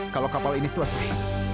kalau kapal ini selesai